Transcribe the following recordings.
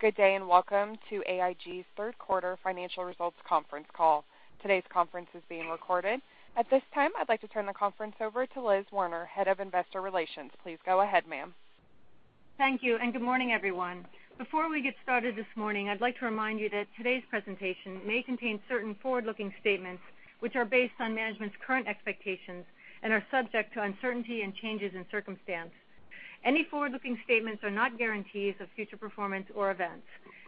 Good day. Welcome to AIG's third quarter financial results conference call. Today's conference is being recorded. At this time, I'd like to turn the conference over to Liz Werner, Head of Investor Relations. Please go ahead, ma'am. Thank you. Good morning, everyone. Before we get started this morning, I'd like to remind you that today's presentation may contain certain forward-looking statements, which are based on management's current expectations and are subject to uncertainty and changes in circumstance. Any forward-looking statements are not guarantees of future performance or events.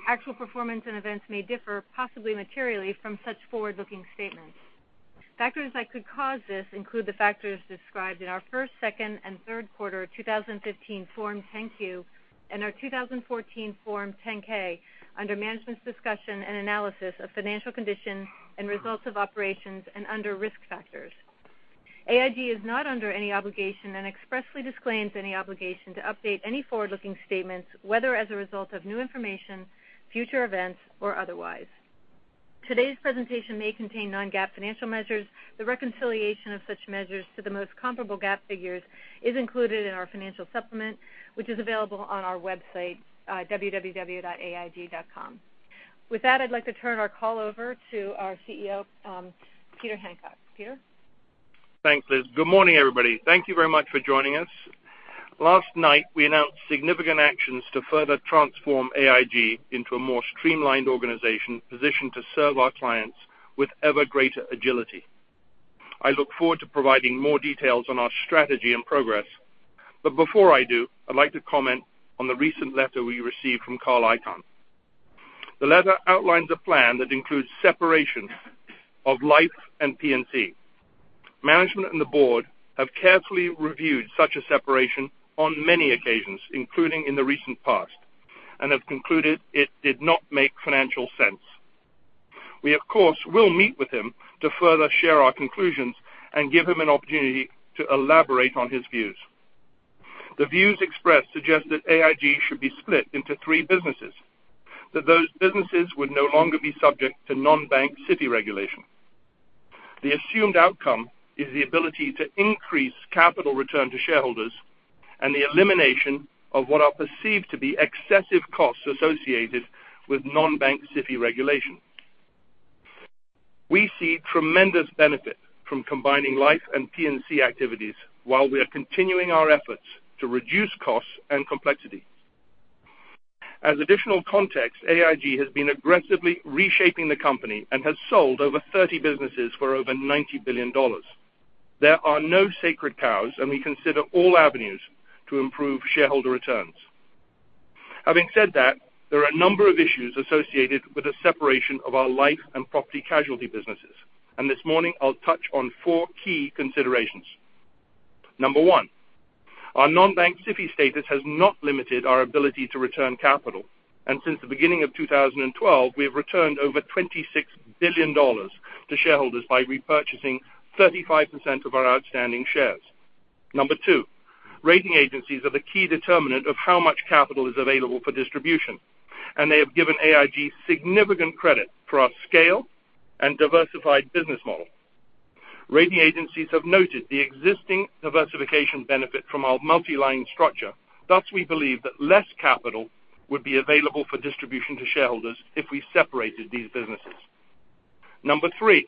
Actual performance and events may differ, possibly materially, from such forward-looking statements. Factors that could cause this include the factors described in our first, second, and third quarter of 2015 Form 10-Q and our 2014 Form 10-K under Management's Discussion and Analysis of Financial Condition and Results of Operations and under Risk Factors. AIG is not under any obligation and expressly disclaims any obligation to update any forward-looking statements, whether as a result of new information, future events, or otherwise. Today's presentation may contain non-GAAP financial measures. The reconciliation of such measures to the most comparable GAAP figures is included in our financial supplement, which is available on our website, www.aig.com. With that, I'd like to turn our call over to our CEO, Peter Hancock. Peter? Thanks, Liz. Good morning, everybody. Thank you very much for joining us. Last night, we announced significant actions to further transform AIG into a more streamlined organization, positioned to serve our clients with ever greater agility. I look forward to providing more details on our strategy and progress. Before I do, I'd like to comment on the recent letter we received from Carl Icahn. The letter outlines a plan that includes separation of Life and P&C. Management and the board have carefully reviewed such a separation on many occasions, including in the recent past, and have concluded it did not make financial sense. We of course, will meet with him to further share our conclusions and give him an opportunity to elaborate on his views. The views expressed suggest that AIG should be split into three businesses, that those businesses would no longer be subject to non-bank SIFI regulation. The assumed outcome is the ability to increase capital return to shareholders and the elimination of what are perceived to be excessive costs associated with non-bank SIFI regulation. We see tremendous benefit from combining Life and P&C activities while we are continuing our efforts to reduce costs and complexity. As additional context, AIG has been aggressively reshaping the company and has sold over 30 businesses for over $90 billion. There are no sacred cows, and we consider all avenues to improve shareholder returns. Having said that, there are a number of issues associated with the separation of our Life and Property Casualty businesses, this morning I'll touch on four key considerations. Number one, our non-bank SIFI status has not limited our ability to return capital, since the beginning of 2012, we have returned over $26 billion to shareholders by repurchasing 35% of our outstanding shares. Number two, rating agencies are the key determinant of how much capital is available for distribution, they have given AIG significant credit for our scale and diversified business model. Rating agencies have noted the existing diversification benefit from our multi-line structure, thus, we believe that less capital would be available for distribution to shareholders if we separated these businesses. Number three,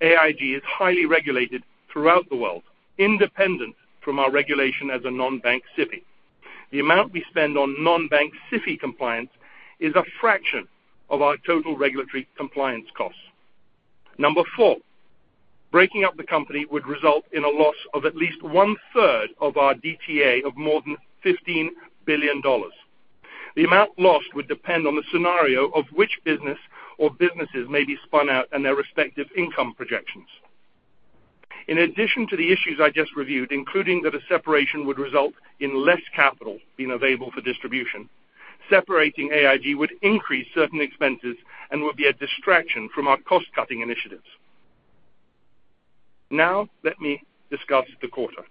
AIG is highly regulated throughout the world, independent from our regulation as a non-bank SIFI. The amount we spend on non-bank SIFI compliance is a fraction of our total regulatory compliance costs. Number four, breaking up the company would result in a loss of at least one-third of our DTA of more than $15 billion. The amount lost would depend on the scenario of which business or businesses may be spun out and their respective income projections. In addition to the issues I just reviewed, including that a separation would result in less capital being available for distribution, separating AIG would increase certain expenses and would be a distraction from our cost-cutting initiatives. Now let me discuss the quarter,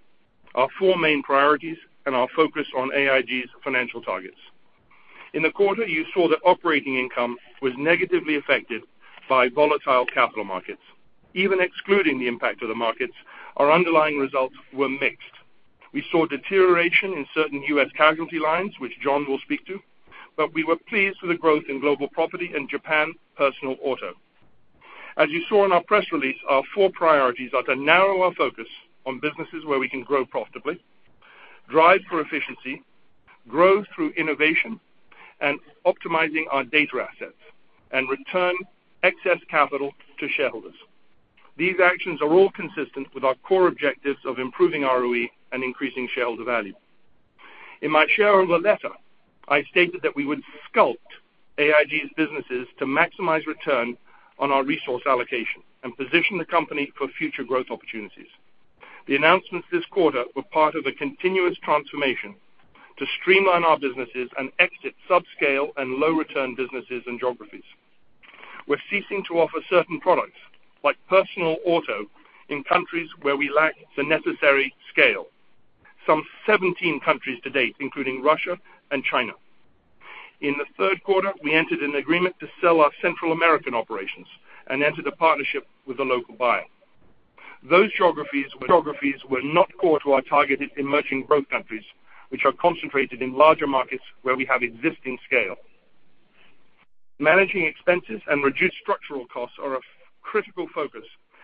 our four main priorities, and our focus on AIG's financial targets. In the quarter, you saw that operating income was negatively affected by volatile capital markets. Even excluding the impact of the markets, our underlying results were mixed. We saw deterioration in certain U.S. casualty lines, which John will speak to, but we were pleased with the growth in global property and Japan personal auto. As you saw in our press release, our four priorities are to narrow our focus on businesses where we can grow profitably, drive for efficiency, grow through innovation, and optimizing our data assets, and return excess capital to shareholders. These actions are all consistent with our core objectives of improving ROE and increasing shareholder value. In my shareholder letter, I stated that we would sculpt AIG's businesses to maximize return on our resource allocation and position the company for future growth opportunities. The announcements this quarter were part of a continuous transformation to streamline our businesses and exit subscale and low-return businesses and geographies. We're ceasing to offer certain products, like personal auto in countries where we lack the necessary scale. Some 17 countries to date, including Russia and China. In the third quarter, we entered an agreement to sell our Central American operations and entered a partnership with a local buyer. Those geographies were not core to our targeted emerging growth countries, which are concentrated in larger markets where we have existing scale. Managing expenses and reduced structural costs are a critical focus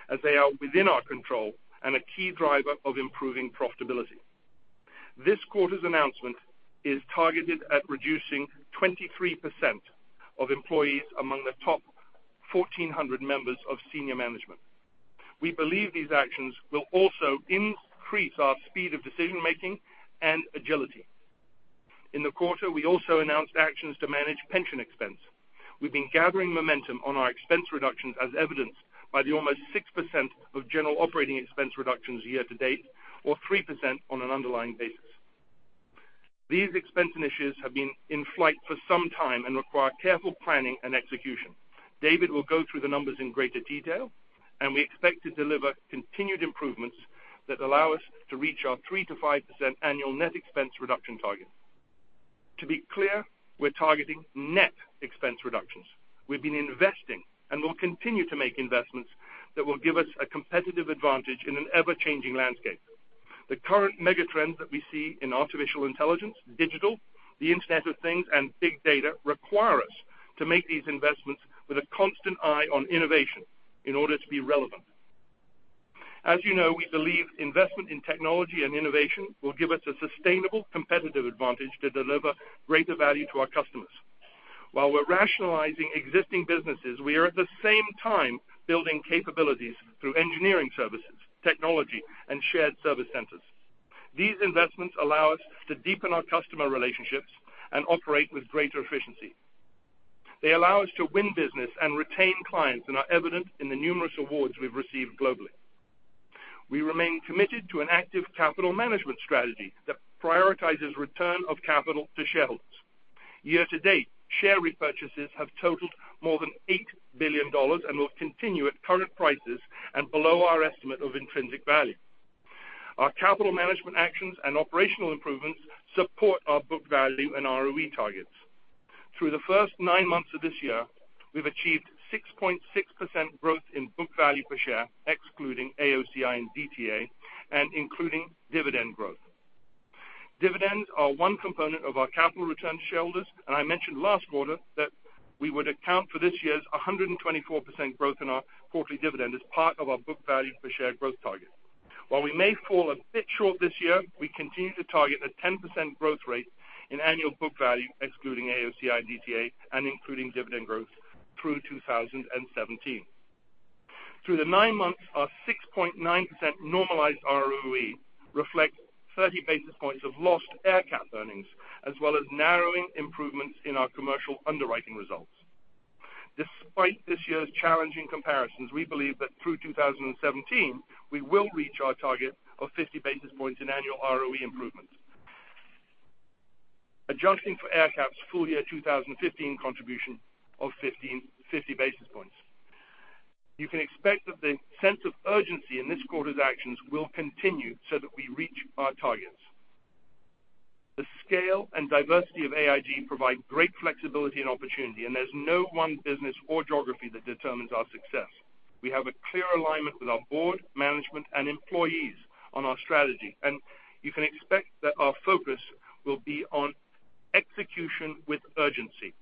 as they are within our control and a key driver of improving profitability. This quarter's announcement is targeted at reducing 23% of employees among the top 1,400 members of senior management. We believe these actions will also increase our speed of decision-making and agility. In the quarter, we also announced actions to manage pension expense. We've been gathering momentum on our expense reductions as evidenced by the almost 6% of General Operating Expenses reductions year to date, or 3% on an underlying basis. These expense initiatives have been in flight for some time and require careful planning and execution. David will go through the numbers in greater detail, and we expect to deliver continued improvements that allow us to reach our 3%-5% annual net expense reduction target. To be clear, we're targeting net expense reductions. We've been investing and will continue to make investments that will give us a competitive advantage in an ever-changing landscape. The current mega trends that we see in artificial intelligence, digital, the Internet of Things, and big data require us to make these investments with a constant eye on innovation in order to be relevant. As you know, we believe investment in technology and innovation will give us a sustainable competitive advantage to deliver greater value to our customers. While we're rationalizing existing businesses, we are at the same time building capabilities through engineering services, technology, and shared service centers. These investments allow us to deepen our customer relationships and operate with greater efficiency. They allow us to win business and retain clients and are evident in the numerous awards we've received globally. We remain committed to an active capital management strategy that prioritizes return of capital to shareholders. Year to date, share repurchases have totaled more than $8 billion and will continue at current prices and below our estimate of intrinsic value. Our capital management actions and operational improvements support our book value and ROE targets. Through the first nine months of this year, we've achieved 6.6% growth in book value per share, excluding AOCI and DTA and including dividend growth. I mentioned last quarter that we would account for this year's 124% growth in our quarterly dividend as part of our book value per share growth target. While we may fall a bit short this year, we continue to target a 10% growth rate in annual book value, excluding AOCI and DTA and including dividend growth through 2017. Through the nine months, our 6.9% normalized ROE reflects 30 basis points of lost AerCap earnings, as well as narrowing improvements in our commercial underwriting results. Despite this year's challenging comparisons, we believe that through 2017, we will reach our target of 50 basis points in annual ROE improvements. Adjusting for AerCap's full year 2015 contribution of 50 basis points. You can expect that the sense of urgency in this quarter's actions will continue so that we reach our targets. The scale and diversity of AIG provide great flexibility and opportunity. There's no one business or geography that determines our success. We have a clear alignment with our board, management, and employees on our strategy. You can expect that our focus will be on execution with urgency.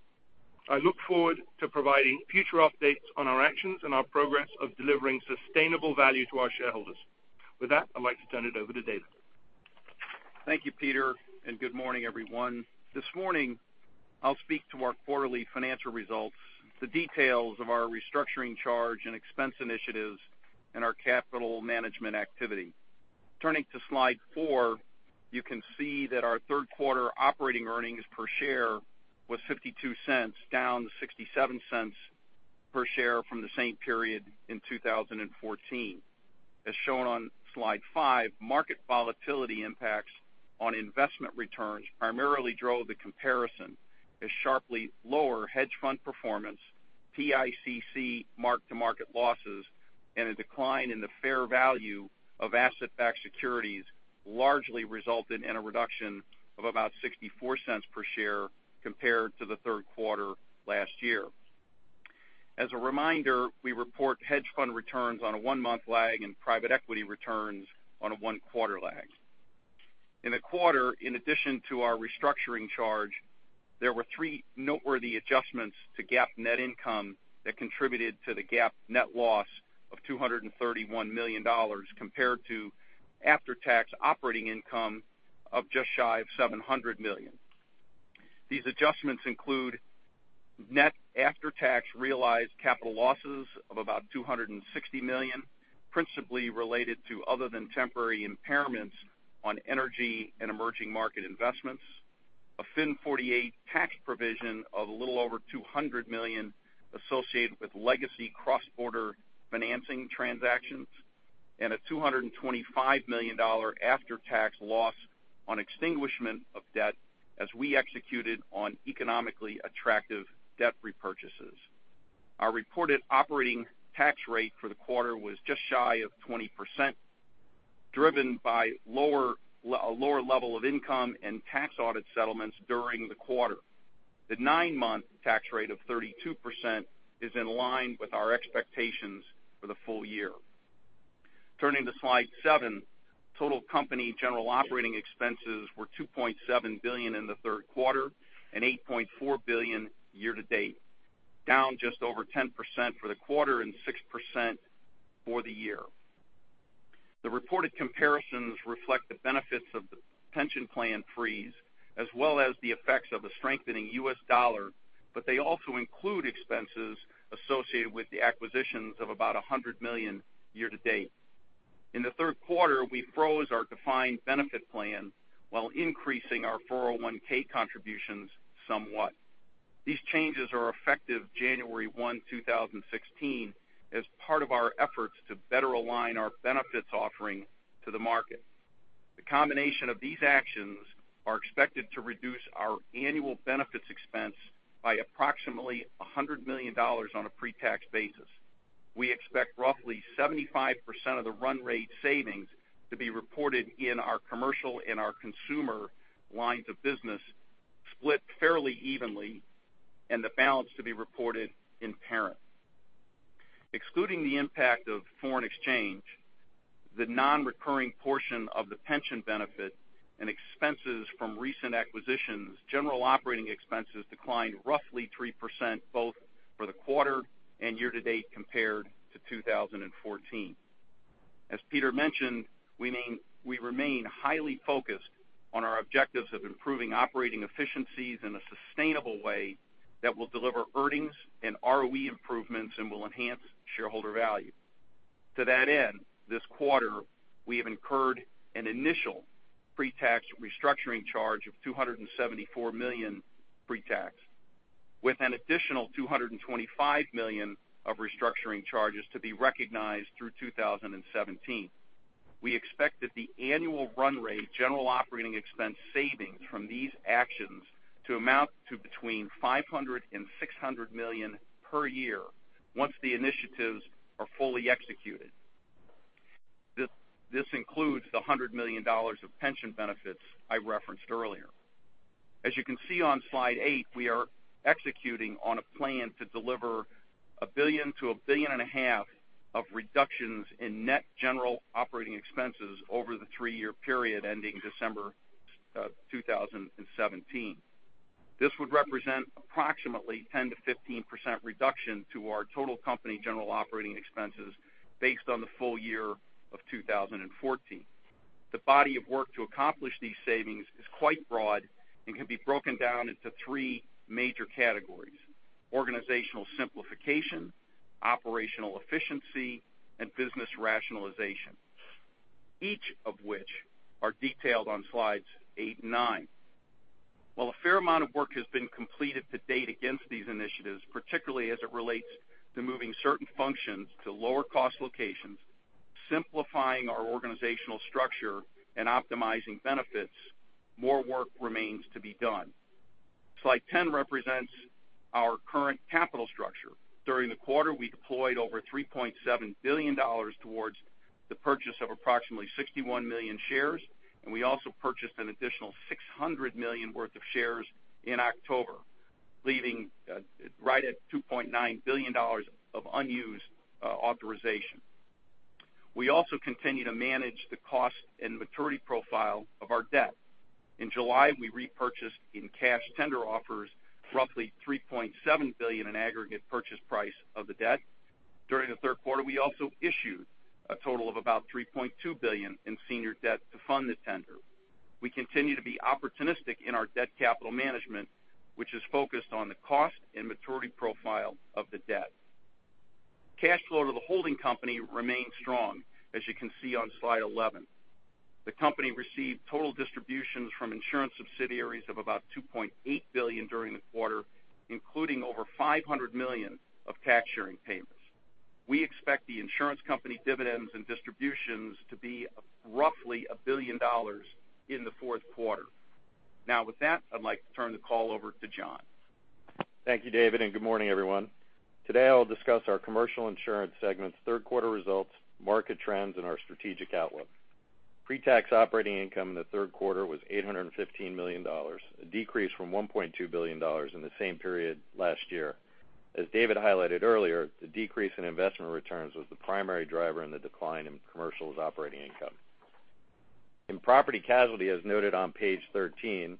I look forward to providing future updates on our actions and our progress of delivering sustainable value to our shareholders. With that, I'd like to turn it over to David. Thank you, Peter. Good morning, everyone. This morning, I'll speak to our quarterly financial results, the details of our restructuring charge and expense initiatives, and our capital management activity. Turning to slide four, you can see that our third quarter operating earnings per share was $0.52, down to $0.67 per share from the same period in 2014. As shown on slide five, market volatility impacts on investment returns primarily drove the comparison as sharply lower hedge fund performance, PICC mark-to-market losses, and a decline in the fair value of asset-backed securities largely resulted in a reduction of about $0.64 per share compared to the third quarter last year. As a reminder, we report hedge fund returns on a one-month lag and private equity returns on a one-quarter lag. In the quarter, in addition to our restructuring charge, there were three noteworthy adjustments to GAAP net income that contributed to the GAAP net loss of $231 million compared to after-tax operating income of just shy of $700 million. These adjustments include net after-tax realized capital losses of about $260 million, principally related to other than temporary impairments on energy and emerging market investments. A FIN 48 tax provision of a little over $200 million associated with legacy cross-border financing transactions, a $225 million after-tax loss on extinguishment of debt as we executed on economically attractive debt repurchases. Our reported operating tax rate for the quarter was just shy of 20%. Driven by a lower level of income and tax audit settlements during the quarter. The nine-month tax rate of 32% is in line with our expectations for the full year. Turning to slide seven, total company general operating expenses were $2.7 billion in the third quarter and $8.4 billion year to date, down just over 10% for the quarter and 6% for the year. The reported comparisons reflect the benefits of the pension plan freeze, as well as the effects of a strengthening US dollar. They also include expenses associated with the acquisitions of about $100 million year to date. In the third quarter, we froze our defined benefit plan while increasing our 401 contributions somewhat. These changes are effective January 1, 2016, as part of our efforts to better align our benefits offering to the market. The combination of these actions are expected to reduce our annual benefits expense by approximately $100 million on a pre-tax basis. We expect roughly 75% of the run rate savings to be reported in our commercial and our consumer lines of business, split fairly evenly, and the balance to be reported in parent. Excluding the impact of foreign exchange, the non-recurring portion of the pension benefit and expenses from recent acquisitions, general operating expenses declined roughly 3%, both for the quarter and year-to-date compared to 2014. As Peter mentioned, we remain highly focused on our objectives of improving operating efficiencies in a sustainable way that will deliver earnings and ROE improvements and will enhance shareholder value. To that end, this quarter, we have incurred an initial pre-tax restructuring charge of $274 million pre-tax, with an additional $225 million of restructuring charges to be recognized through 2017. We expect that the annual run rate general operating expense savings from these actions to amount to between $500 million and $600 million per year once the initiatives are fully executed. This includes the $100 million of pension benefits I referenced earlier. As you can see on slide eight, we are executing on a plan to deliver a billion to a billion and a half of reductions in net general operating expenses over the three-year period ending December 2017. This would represent approximately 10%-15% reduction to our total company general operating expenses based on the full year of 2014. The body of work to accomplish these savings is quite broad and can be broken down into three major categories: organizational simplification, operational efficiency, and business rationalization, each of which are detailed on slides eight and nine. While a fair amount of work has been completed to date against these initiatives, particularly as it relates to moving certain functions to lower cost locations, simplifying our organizational structure, and optimizing benefits, more work remains to be done. Slide 10 represents our current capital structure. During the quarter, we deployed over $3.7 billion towards the purchase of approximately 61 million shares. We also purchased an additional $600 million worth of shares in October, leaving right at $2.9 billion of unused authorization. We also continue to manage the cost and maturity profile of our debt. In July, we repurchased in cash tender offers roughly $3.7 billion in aggregate purchase price of the debt. During the third quarter, we also issued a total of about $3.2 billion in senior debt to fund the tender. We continue to be opportunistic in our debt capital management, which is focused on the cost and maturity profile of the debt. Cash flow to the holding company remains strong, as you can see on slide 11. The company received total distributions from insurance subsidiaries of about $2.8 billion during the quarter, including over $500 million of tax sharing payments. We expect the insurance company dividends and distributions to be roughly a billion dollars in the fourth quarter. With that, I'd like to turn the call over to John. Thank you, David, and good morning, everyone. Today, I'll discuss our commercial insurance segment's third quarter results, market trends, and our strategic outlook. Pre-tax operating income in the third quarter was $815 million, a decrease from $1.2 billion in the same period last year. As David highlighted earlier, the decrease in investment returns was the primary driver in the decline in commercial's operating income. In property casualty, as noted on page 13,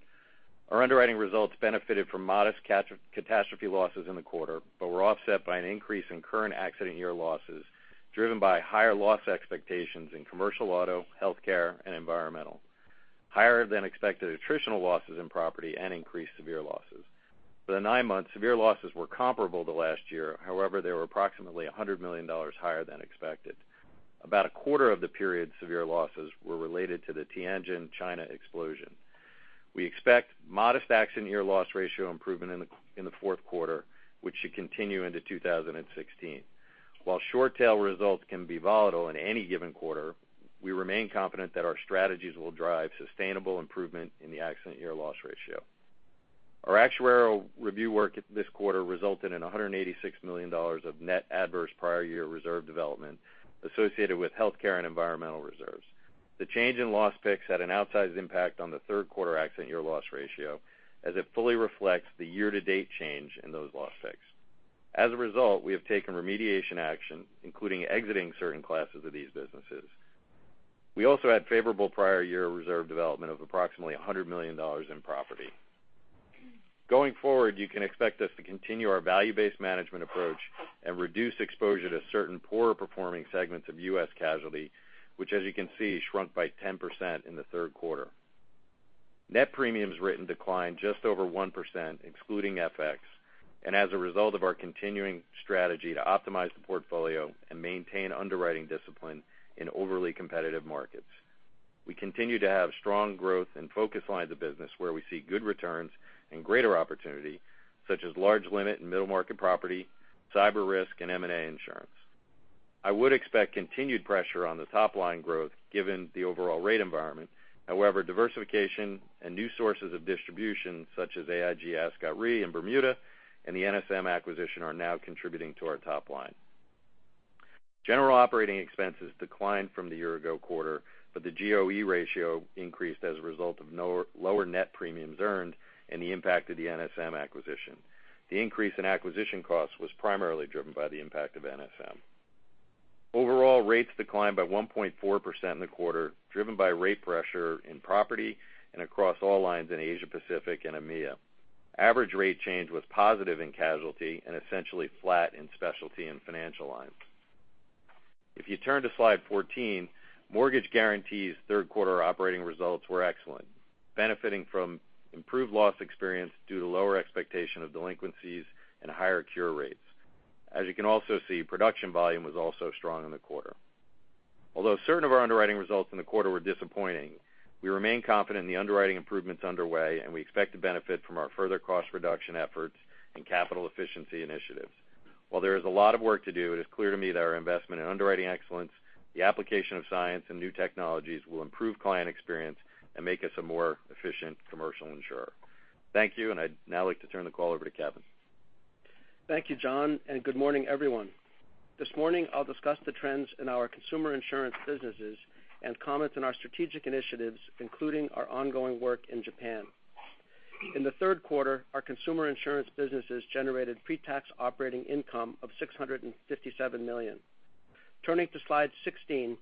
our underwriting results benefited from modest catastrophe losses in the quarter but were offset by an increase in current accident year losses, driven by higher loss expectations in commercial auto, healthcare, and environmental, higher than expected attritional losses in property, and increased severe losses. For the nine months, severe losses were comparable to last year. They were approximately $100 million higher than expected. About a quarter of the period's severe losses were related to the Tianjin, China explosion. We expect modest accident year loss ratio improvement in the fourth quarter, which should continue into 2016. While short-tail results can be volatile in any given quarter, we remain confident that our strategies will drive sustainable improvement in the accident year loss ratio. Our actuarial review work this quarter resulted in $186 million of net adverse prior year reserve development associated with healthcare and environmental reserves. The change in loss picks had an outsized impact on the third quarter accident year loss ratio, as it fully reflects the year-to-date change in those loss picks. As a result, we have taken remediation action, including exiting certain classes of these businesses. We also had favorable prior year reserve development of approximately $100 million in property. Going forward, you can expect us to continue our value-based management approach and reduce exposure to certain poorer performing segments of U.S. casualty, which as you can see, shrunk by 10% in the third quarter. Net premiums written declined just over 1%, excluding FX, as a result of our continuing strategy to optimize the portfolio and maintain underwriting discipline in overly competitive markets. We continue to have strong growth in focus lines of business where we see good returns and greater opportunity, such as large limit and middle market property, cyber risk, and M&A insurance. I would expect continued pressure on the top-line growth given the overall rate environment. However, diversification and new sources of distribution such as AIG-Ascot Re in Bermuda and the NSM acquisition are now contributing to our top line. General operating expenses declined from the year ago quarter, but the GOE ratio increased as a result of lower net premiums earned and the impact of the NSM acquisition. The increase in acquisition costs was primarily driven by the impact of NSM. Overall rates declined by 1.4% in the quarter, driven by rate pressure in property and across all lines in Asia Pacific and EMEA. Average rate change was positive in casualty and essentially flat in specialty and financial lines. If you turn to slide 14, mortgage guarantees third quarter operating results were excellent, benefiting from improved loss experience due to lower expectation of delinquencies and higher cure rates. As you can also see, production volume was also strong in the quarter. Although certain of our underwriting results in the quarter were disappointing, we remain confident in the underwriting improvements underway, and we expect to benefit from our further cost reduction efforts and capital efficiency initiatives. While there is a lot of work to do, it is clear to me that our investment in underwriting excellence, the application of science and new technologies will improve client experience and make us a more efficient commercial insurer. Thank you, I'd now like to turn the call over to Kevin. Thank you, John, good morning, everyone. This morning, I'll discuss the trends in our consumer insurance businesses and comment on our strategic initiatives, including our ongoing work in Japan. In the third quarter, our consumer insurance businesses generated pre-tax operating income of $657 million. Turning to slide 16,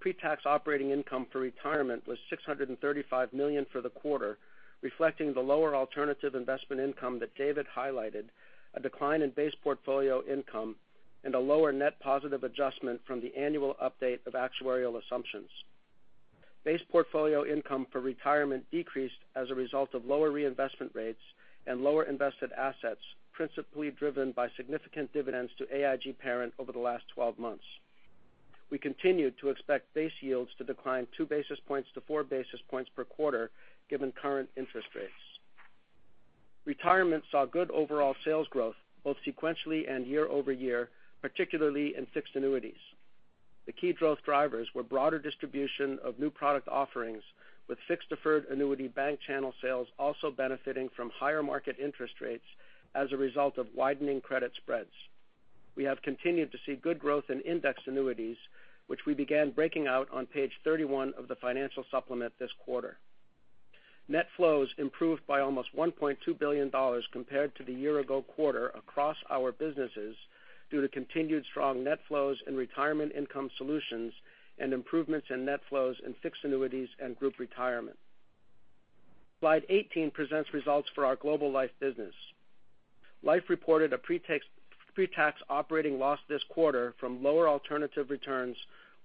pre-tax operating income for retirement was $635 million for the quarter, reflecting the lower alternative investment income that David highlighted, a decline in base portfolio income, and a lower net positive adjustment from the annual update of actuarial assumptions. Base portfolio income for retirement decreased as a result of lower reinvestment rates and lower invested assets, principally driven by significant dividends to AIG Parent over the last 12 months. We continue to expect base yields to decline two basis points to four basis points per quarter, given current interest rates. Retirement saw good overall sales growth both sequentially and year-over-year, particularly in fixed annuities. The key growth drivers were broader distribution of new product offerings, with fixed deferred annuity bank channel sales also benefiting from higher market interest rates as a result of widening credit spreads. We have continued to see good growth in indexed annuities, which we began breaking out on page 31 of the financial supplement this quarter. Net flows improved by almost $1.2 billion compared to the year-ago quarter across our businesses due to continued strong net flows in retirement income solutions and improvements in net flows in fixed annuities and group retirement. Slide 18 presents results for our global life business. Life reported a pre-tax operating loss this quarter from lower alternative returns,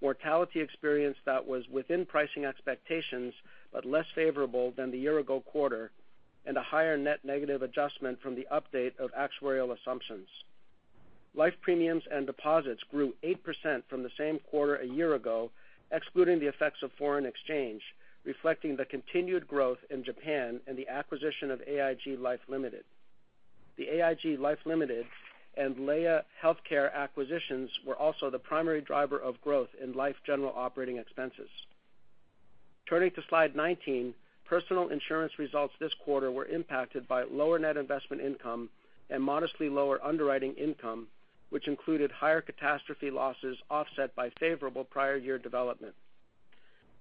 mortality experience that was within pricing expectations but less favorable than the year-ago quarter, a higher net negative adjustment from the update of actuarial assumptions. Life premiums and deposits grew 8% from the same quarter a year-ago, excluding the effects of foreign exchange, reflecting the continued growth in Japan and the acquisition of AIG Life Limited. The AIG Life Limited and Laya Healthcare acquisitions were also the primary driver of growth in life general operating expenses. Turning to slide 19, personal insurance results this quarter were impacted by lower net investment income and modestly lower underwriting income, which included higher catastrophe losses offset by favorable prior year development.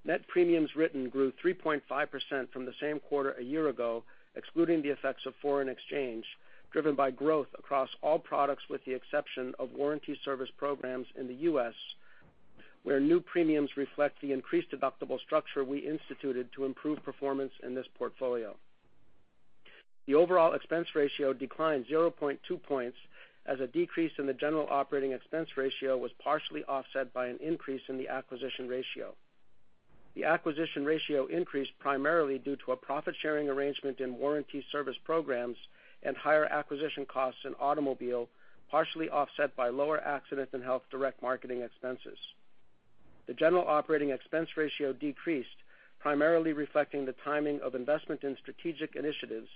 Net premiums written grew 3.5% from the same quarter a year ago, excluding the effects of foreign exchange, driven by growth across all products with the exception of warranty service programs in the U.S., where new premiums reflect the increased deductible structure we instituted to improve performance in this portfolio. The overall expense ratio declined 0.2 points as a decrease in the general operating expense ratio was partially offset by an increase in the acquisition ratio. The acquisition ratio increased primarily due to a profit-sharing arrangement in warranty service programs and higher acquisition costs in automobile, partially offset by lower accident and health direct marketing expenses. The general operating expense ratio decreased, primarily reflecting the timing of investment in strategic initiatives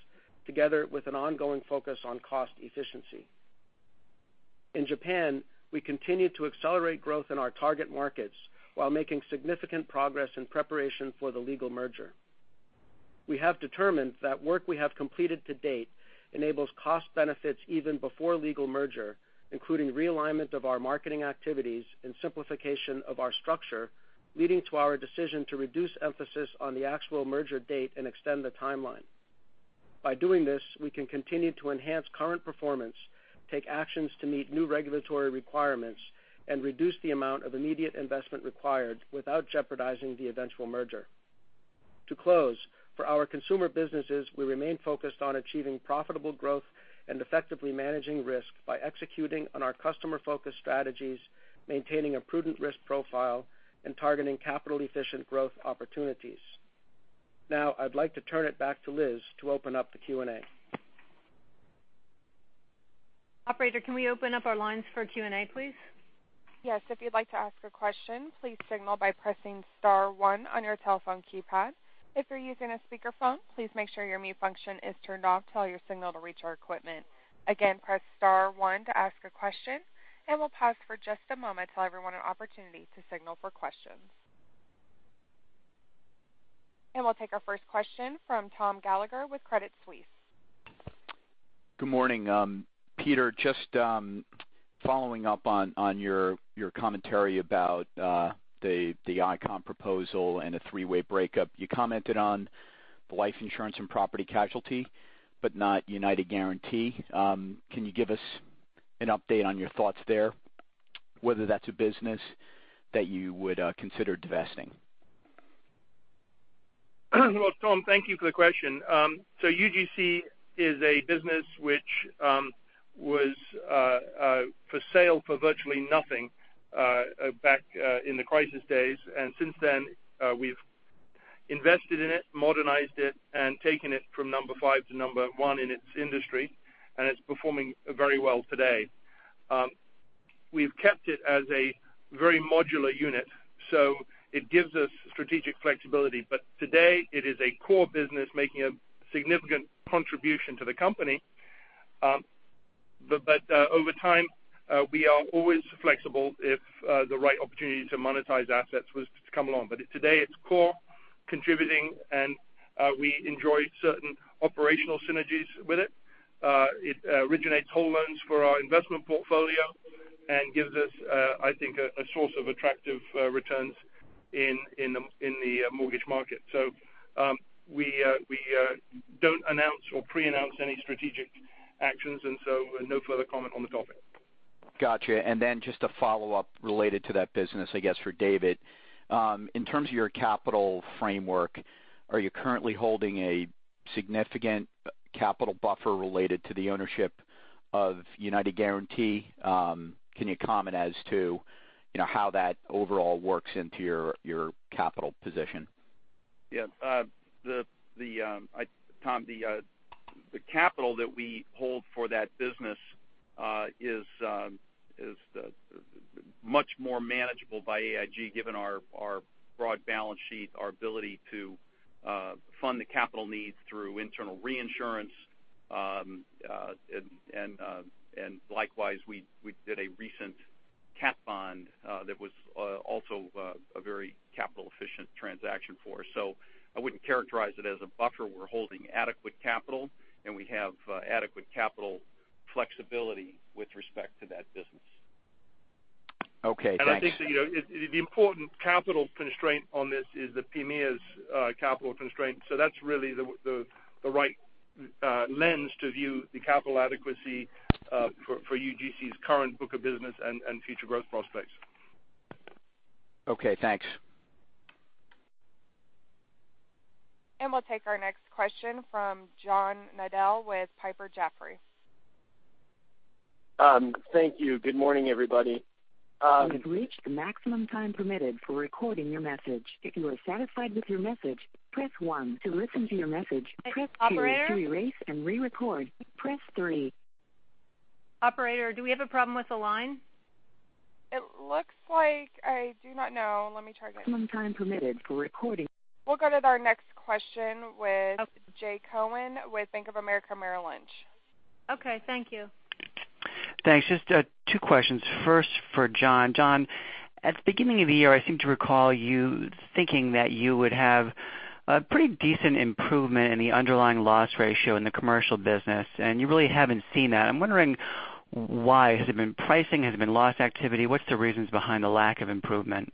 together with an ongoing focus on cost efficiency. In Japan, we continue to accelerate growth in our target markets while making significant progress in preparation for the legal merger. We have determined that work we have completed to date enables cost benefits even before legal merger, including realignment of our marketing activities and simplification of our structure, leading to our decision to reduce emphasis on the actual merger date and extend the timeline. By doing this, we can continue to enhance current performance, take actions to meet new regulatory requirements, and reduce the amount of immediate investment required without jeopardizing the eventual merger. To close, for our consumer businesses, we remain focused on achieving profitable growth and effectively managing risk by executing on our customer-focused strategies, maintaining a prudent risk profile, and targeting capital-efficient growth opportunities. Now, I'd like to turn it back to Liz to open up the Q&A. Operator, can we open up our lines for Q&A, please? Yes, if you'd like to ask a question, please signal by pressing *1 on your telephone keypad. If you're using a speakerphone, please make sure your mute function is turned off to allow your signal to reach our equipment. Again, press *1 to ask a question, and we'll pause for just a moment to allow everyone an opportunity to signal for questions. We'll take our first question from Thomas Gallagher with Credit Suisse. Good morning. Peter, just following up on your commentary about the Icahn proposal and a three-way breakup. You commented on the life insurance and property casualty, but not United Guaranty. Can you give us an update on your thoughts there, whether that's a business that you would consider divesting? Well, Tom, thank you for the question. UGC is a business which was for sale for virtually nothing back in the crisis days. Since then we've invested in it, modernized it, and taken it from number 5 to number 1 in its industry, and it's performing very well today. We've kept it as a very modular unit, so it gives us strategic flexibility. Today it is a core business making a significant contribution to the company. Over time, we are always flexible if the right opportunity to monetize assets was to come along. Today it's core contributing and we enjoy certain operational synergies with it. It originates whole loans for our investment portfolio and gives us, I think, a source of attractive returns in the mortgage market. We don't announce or preannounce any strategic actions, no further comment on the topic. Got you. Just a follow-up related to that business, I guess for David. In terms of your capital framework, are you currently holding a significant capital buffer related to the ownership of United Guaranty? Can you comment as to how that overall works into your capital position? Yes. Tom, the capital that we hold for that business is much more manageable by AIG given our broad balance sheet, our ability to fund the capital needs through internal reinsurance, and likewise, we did a recent cat bond that was also a very capital-efficient transaction for us. I wouldn't characterize it as a buffer. We're holding adequate capital and we have adequate capital flexibility with respect to that business. Okay, thanks. I think the important capital constraint on this is the PMIERs capital constraint. That's really the right lens to view the capital adequacy for UGC's current book of business and future growth prospects. Okay, thanks. We'll take our next question from John Nadel with Piper Jaffray. Thank you. Good morning, everybody. You have reached the maximum time permitted for recording your message. If you are satisfied with your message, press 1. To listen to your message, press 2. Operator? To erase and re-record, press 3. Operator, do we have a problem with the line? It looks like I do not know. Let me try again. Maximum time permitted for recording. We'll go to our next question with- Okay. Jay Cohen with Bank of America Merrill Lynch. Okay. Thank you. Thanks. Just two questions. First for John. John, at the beginning of the year, I seem to recall you thinking that you would have a pretty decent improvement in the underlying loss ratio in the commercial business, you really haven't seen that. I'm wondering why. Has it been pricing? Has it been loss activity? What's the reasons behind the lack of improvement?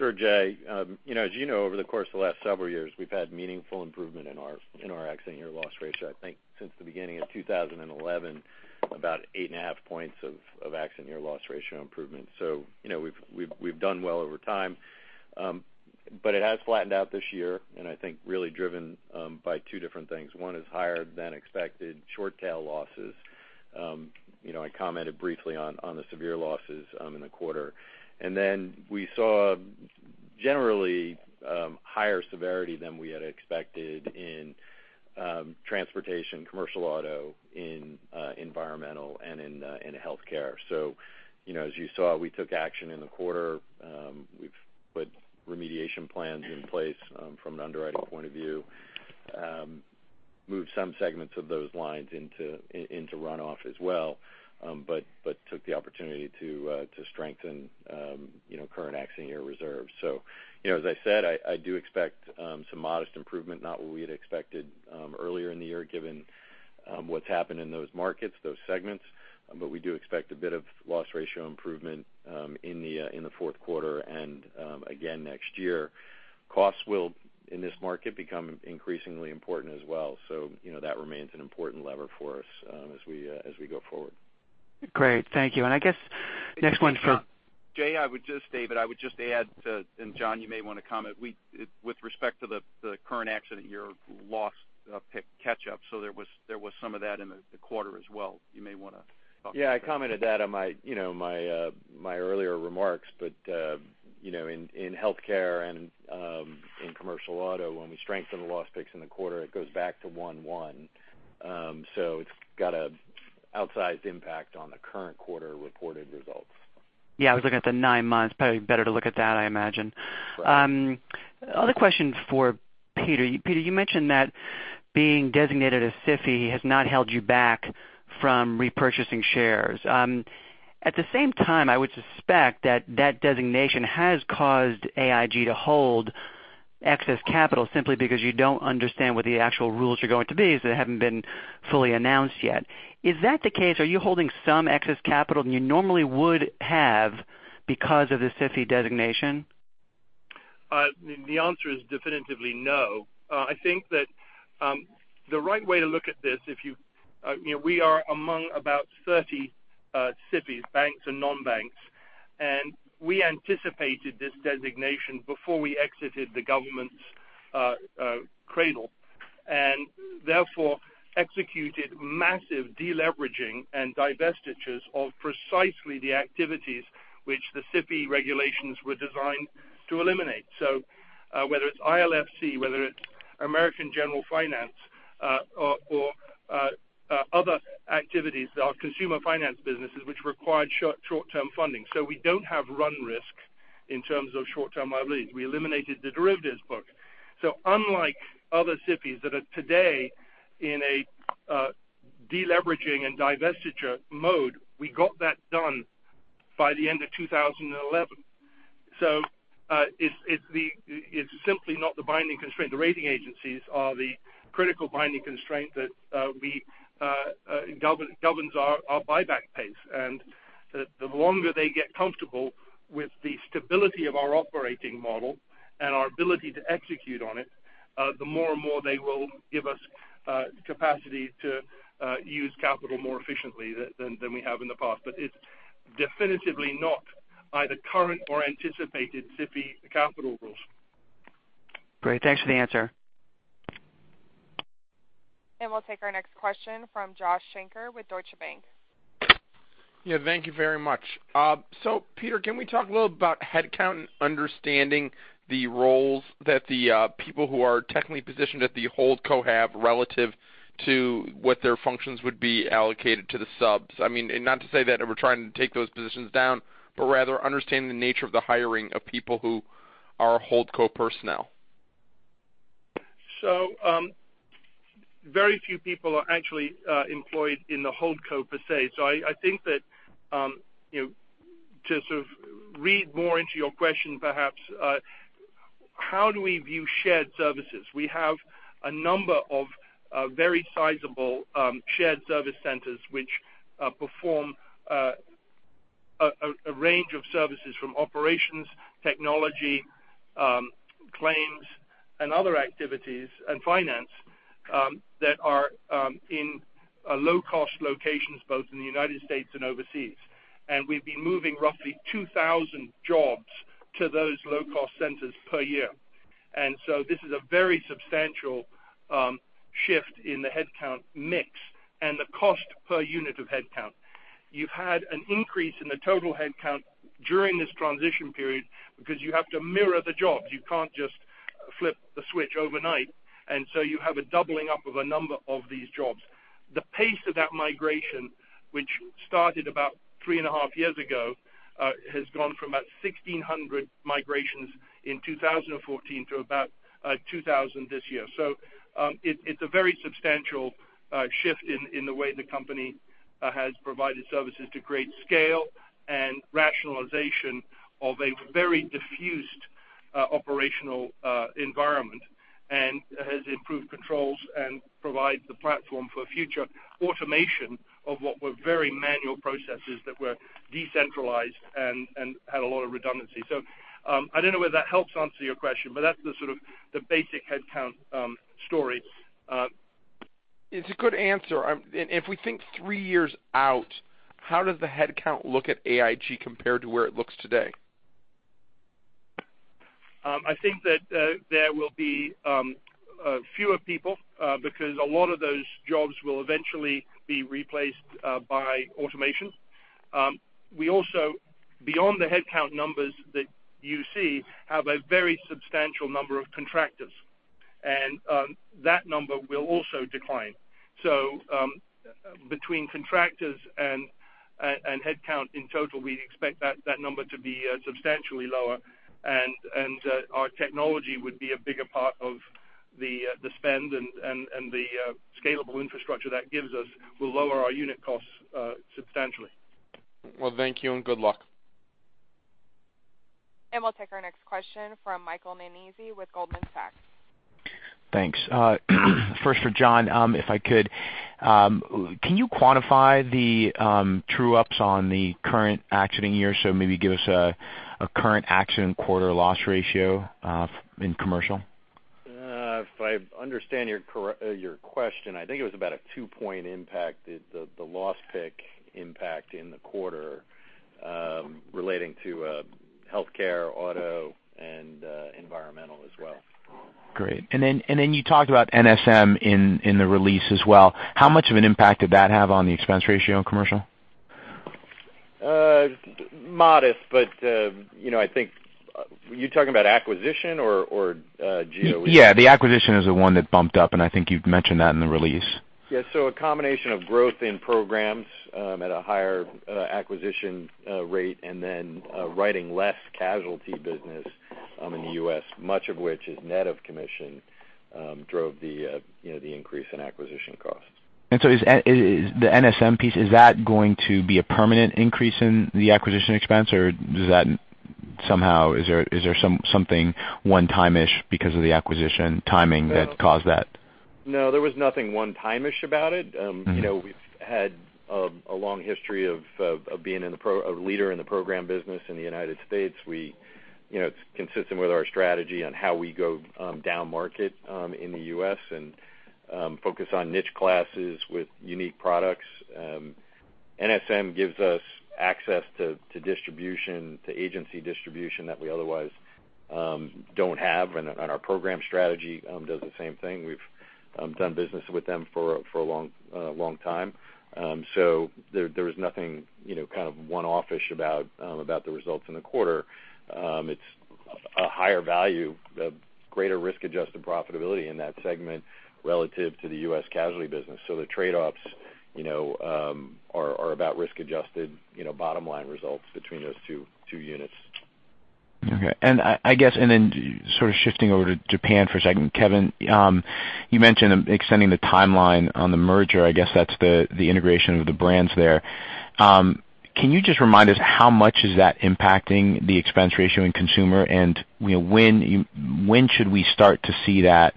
Sure, Jay. As you know, over the course of the last several years, we've had meaningful improvement in our accident year loss ratio. I think since the beginning of 2011, about eight and a half points of accident year loss ratio improvement. We've done well over time. It has flattened out this year, I think really driven by two different things. One is higher than expected short tail losses. I commented briefly on the severe losses in the quarter. We saw generally higher severity than we had expected in transportation, commercial auto, in environmental and in healthcare. As you saw, we took action in the quarter. We've put remediation plans in place from an underwriting point of view Move some segments of those lines into runoff as well, but took the opportunity to strengthen current accident year reserves. As I said, I do expect some modest improvement, not what we had expected earlier in the year, given what's happened in those markets, those segments, but we do expect a bit of loss ratio improvement in the fourth quarter and again next year. Costs will, in this market, become increasingly important as well. That remains an important lever for us as we go forward. Great. Thank you. Jay, I would just stay, but I would just add to, and John, you may want to comment. With respect to the current accident year loss pick catch up. There was some of that in the quarter as well. You may want to talk. Yeah, I commented that on my earlier remarks, but in healthcare and in commercial auto, when we strengthen the loss picks in the quarter, it goes back to one-one. It's got an outsized impact on the current quarter reported results. Yeah, I was looking at the nine months. Probably better to look at that, I imagine. Right. Other question for Peter. Peter, you mentioned that being designated as SIFI has not held you back from repurchasing shares. At the same time, I would suspect that that designation has caused AIG to hold excess capital simply because you don't understand what the actual rules are going to be, as they haven't been fully announced yet. Is that the case? Are you holding some excess capital than you normally would have because of the SIFI designation? The answer is definitively no. I think that the right way to look at this, we are among about 30 SIFIs, banks and non-banks, and we anticipated this designation before we exited the government's cradle and therefore executed massive de-leveraging and divestitures of precisely the activities which the SIFI regulations were designed to eliminate. Whether it's ILFC, whether it's American General Finance, or other activities, our consumer finance businesses which required short-term funding. We don't have run risk in terms of short-term liabilities. We eliminated the derivatives book. Unlike other SIFIs that are today in a de-leveraging and divestiture mode, we got that done by the end of 2011. It's simply not the binding constraint. The rating agencies are the critical binding constraint that governs our buyback pace, and the longer they get comfortable with the stability of our operating model and our ability to execute on it, the more and more they will give us capacity to use capital more efficiently than we have in the past. It's definitively not either current or anticipated SIFI capital rules. Great. Thanks for the answer. We'll take our next question from Joshua Shanker with Deutsche Bank. Thank you very much. Peter, can we talk a little about headcount and understanding the roles that the people who are technically positioned at the holdco have relative to what their functions would be allocated to the subs? Not to say that we're trying to take those positions down, but rather understanding the nature of the hiring of people who are holdco personnel. Very few people are actually employed in the holdco per se. I think that to sort of read more into your question perhaps, how do we view shared services? We have a number of very sizable shared service centers which perform a range of services from operations, technology, claims, and other activities, and finance that are in low-cost locations, both in the U.S. and overseas. We've been moving roughly 2,000 jobs to those low-cost centers per year. This is a very substantial shift in the headcount mix and the cost per unit of headcount. You've had an increase in the total headcount during this transition period because you have to mirror the jobs. You can't just flip the switch overnight, you have a doubling up of a number of these jobs. The pace of that migration, which started about three and a half years ago, has gone from about 1,600 migrations in 2014 to about 2,000 this year. It's a very substantial shift in the way the company has provided services to create scale and rationalization of a very diffused operational environment and has improved controls and provides the platform for future automation of what were very manual processes that were decentralized and had a lot of redundancy. I don't know whether that helps answer your question, but that's the sort of the basic headcount story. It's a good answer. If we think three years out, how does the headcount look at AIG compared to where it looks today? I think that there will be fewer people because a lot of those jobs will eventually be replaced by automation. We also, beyond the headcount numbers that you see, have a very substantial number of contractors, and that number will also decline. Between contractors and headcount in total, we expect that number to be substantially lower, and our technology would be a bigger part of the spend and the scalable infrastructure that gives us will lower our unit costs substantially. Thank you, and good luck. We'll take our next question from Michael Nannizzi with Goldman Sachs. Thanks. First for John, if I could. Can you quantify the true ups on the current accident year? Maybe give us a current accident quarter loss ratio in commercial. If I understand your question, I think it was about a two-point impact, the loss pick impact in the quarter, relating to healthcare, auto and environmental as well. Great. You talked about NSM in the release as well. How much of an impact did that have on the expense ratio in commercial? Modest, you're talking about acquisition or GOE? Yeah, the acquisition is the one that bumped up, I think you've mentioned that in the release. Yeah. A combination of growth in programs at a higher acquisition rate and then writing less casualty business in the U.S., much of which is net of commission, drove the increase in acquisition costs. The NSM piece, is that going to be a permanent increase in the acquisition expense, or does that somehow, is there something one-time-ish because of the acquisition timing that caused that? No, there was nothing one-time-ish about it. We've had a long history of being a leader in the program business in the United States. It's consistent with our strategy on how we go down market in the U.S. and focus on niche classes with unique products. NSM gives us access to agency distribution that we otherwise don't have, and our program strategy does the same thing. We've done business with them for a long time. There was nothing kind of one-off-ish about the results in the quarter. It's a higher value, a greater risk-adjusted profitability in that segment relative to the U.S. casualty business. The trade-offs are about risk adjusted bottom line results between those two units. Okay. I guess sort of shifting over to Japan for a second, Kevin, you mentioned extending the timeline on the merger. I guess that's the integration of the brands there. Can you just remind us how much is that impacting the expense ratio in consumer, and when should we start to see that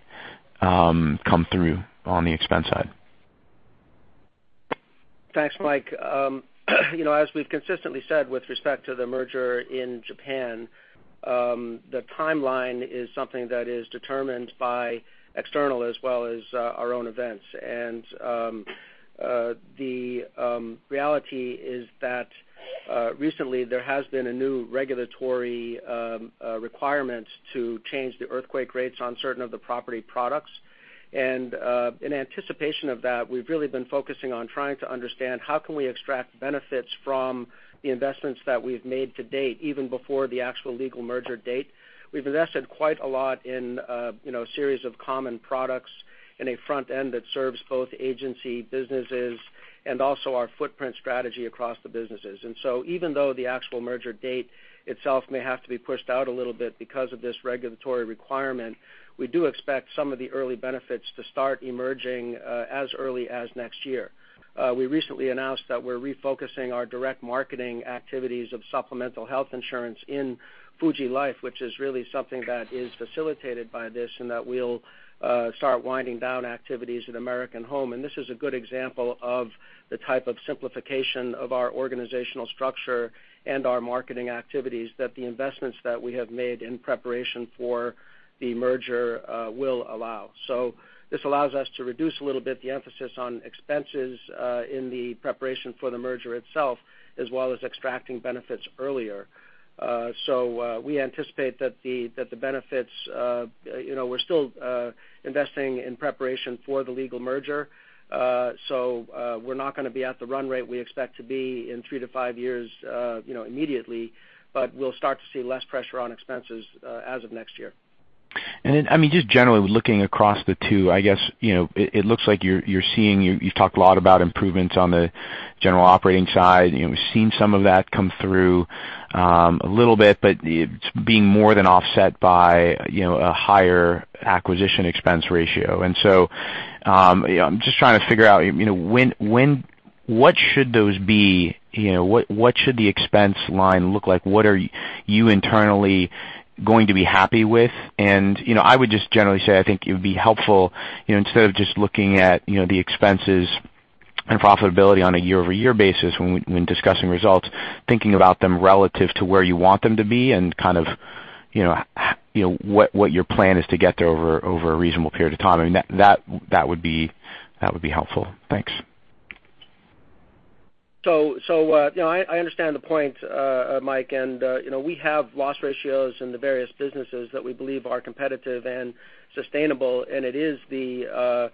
come through on the expense side? Thanks, Michael. As we've consistently said with respect to the merger in Japan, the timeline is something that is determined by external as well as our own events. The reality is that recently there has been a new regulatory requirement to change the earthquake rates on certain of the property products. In anticipation of that, we've really been focusing on trying to understand how can we extract benefits from the investments that we've made to date, even before the actual legal merger date. We've invested quite a lot in a series of common products in a front end that serves both agency businesses and also our footprint strategy across the businesses. Even though the actual merger date itself may have to be pushed out a little bit because of this regulatory requirement, we do expect some of the early benefits to start emerging as early as next year. We recently announced that we're refocusing our direct marketing activities of supplemental health insurance in Fuji Life, which is really something that is facilitated by this and that we'll start winding down activities at American Home. This is a good example of the type of simplification of our organizational structure and our marketing activities that the investments that we have made in preparation for the merger will allow. This allows us to reduce a little bit the emphasis on expenses in the preparation for the merger itself, as well as extracting benefits earlier. We anticipate that the benefits. We're still investing in preparation for the legal merger. We're not going to be at the run rate we expect to be in three to five years immediately, but we'll start to see less pressure on expenses as of next year. Just generally looking across the two, I guess, it looks like you're seeing, you've talked a lot about improvements on the general operating side. We've seen some of that come through a little bit, but it's being more than offset by a higher acquisition expense ratio. I'm just trying to figure out, what should those be? What should the expense line look like? What are you internally going to be happy with? I would just generally say, I think it would be helpful instead of just looking at the expenses and profitability on a year-over-year basis when discussing results, thinking about them relative to where you want them to be and kind of what your plan is to get there over a reasonable period of time. That would be helpful. Thanks. I understand the point, Mike, we have loss ratios in the various businesses that we believe are competitive and sustainable, and it is the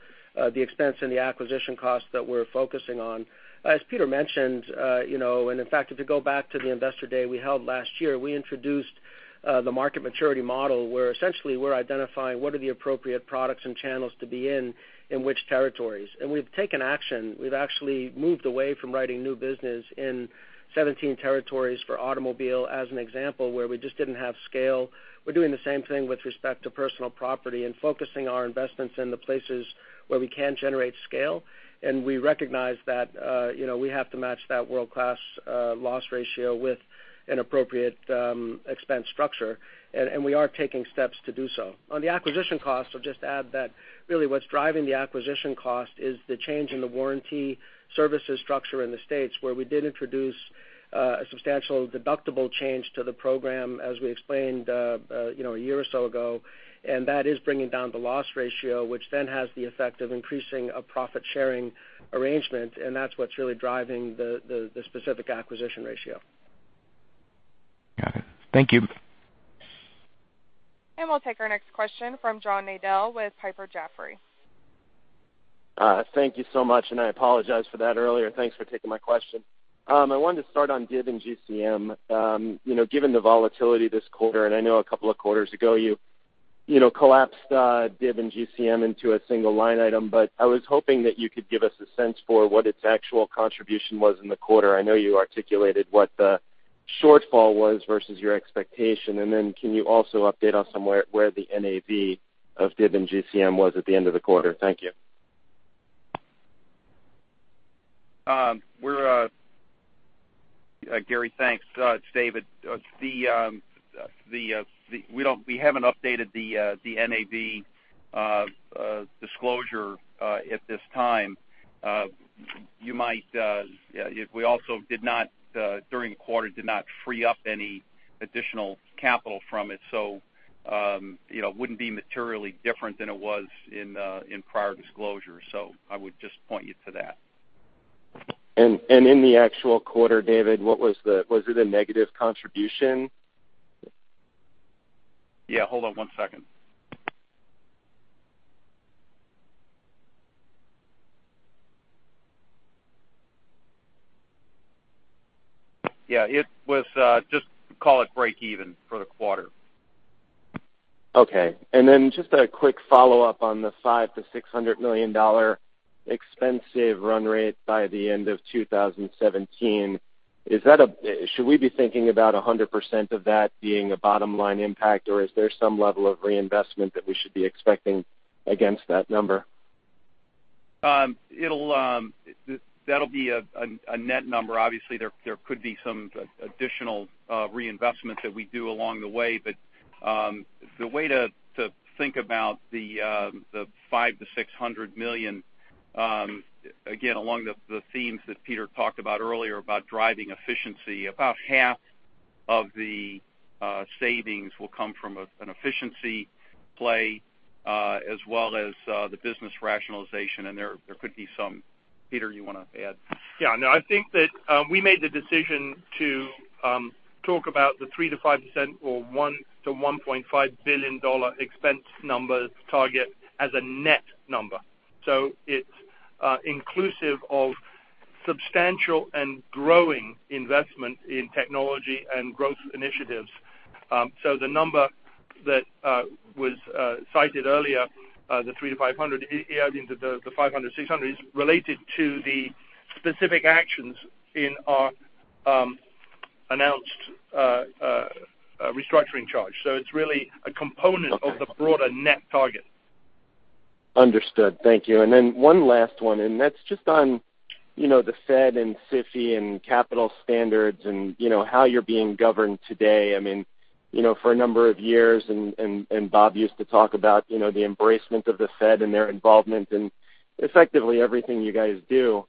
expense and the acquisition costs that we're focusing on. As Peter mentioned, in fact, if you go back to the investor day we held last year, we introduced the market maturity model, where essentially we're identifying what are the appropriate products and channels to be in which territories. We've taken action. We've actually moved away from writing new business in 17 territories for automobile, as an example, where we just didn't have scale. We're doing the same thing with respect to personal property and focusing our investments in the places where we can generate scale. We recognize that we have to match that world-class loss ratio with an appropriate expense structure, and we are taking steps to do so. On the acquisition cost, I'll just add that really what's driving the acquisition cost is the change in the warranty services structure in the U.S., where we did introduce a substantial deductible change to the program, as we explained a year or so ago. That is bringing down the loss ratio, which then has the effect of increasing a profit-sharing arrangement, and that's what's really driving the specific acquisition ratio. Got it. Thank you. We'll take our next question from John Nadel with Piper Jaffray. Thank you so much, and I apologize for that earlier. Thanks for taking my question. I wanted to start on DIB and GCM. Given the volatility this quarter, and I know a couple of quarters ago you collapsed DIB and GCM into a single line item, but I was hoping that you could give us a sense for what its actual contribution was in the quarter. I know you articulated what the shortfall was versus your expectation, and then can you also update us on where the NAV of DIB and GCM was at the end of the quarter? Thank you. Gary, thanks. It's David. We haven't updated the NAV disclosure at this time. We also, during the quarter, did not free up any additional capital from it, so it wouldn't be materially different than it was in prior disclosure. I would just point you to that. In the actual quarter, David, was it a negative contribution? Yeah, hold on one second. Yeah, just call it breakeven for the quarter. Okay. Just a quick follow-up on the $500 million-$600 million expense run rate by the end of 2017. Should we be thinking about 100% of that being a bottom-line impact, or is there some level of reinvestment that we should be expecting against that number? That'll be a net number. Obviously, there could be some additional reinvestments that we do along the way. The way to think about the $500 million-$600 million, again, along the themes that Peter talked about earlier about driving efficiency, about half of the savings will come from an efficiency play as well as the business rationalization. There could be some. Peter, you want to add? Yeah, no. I think that we made the decision to talk about the 3%-5% or $1 billion-$1.5 billion expense numbers target as a net number. It's inclusive of substantial and growing investment in technology and growth initiatives. The number that was cited earlier, the $300-$500, adding to the $500-$600, is related to the specific actions in our announced restructuring charge. It's really a component of the broader net target. Understood. Thank you. One last one, that's just on the Fed and SIFI and capital standards and how you're being governed today. For a number of years, Bob used to talk about the embracement of the Fed and their involvement in effectively everything you guys do.